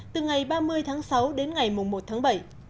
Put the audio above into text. từ ngày ba mươi tháng sáu đến ngày một tháng bảy